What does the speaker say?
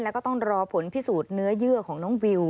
แล้วก็ต้องรอผลพิสูจน์เนื้อเยื่อของน้องวิว